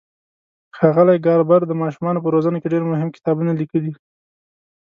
ښاغلي ګاربر د ماشومانو په روزنه کې ډېر مهم کتابونه لیکلي.